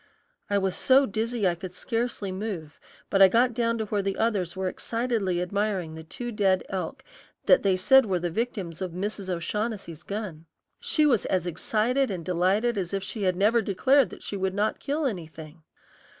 I was so dizzy I could scarcely move, but I got down to where the others were excitedly admiring the two dead elk that they said were the victims of Mrs. O'Shaughnessy's gun. She was as excited and delighted as if she had never declared she would not kill anything.